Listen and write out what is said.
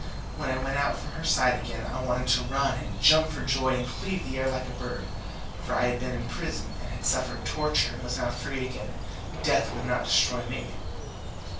When I went out from her side again I wanted to run and jump for joy and cleave the air like a bird. For I had been in prison and had suffered torture, and was now free again death would not destroy me!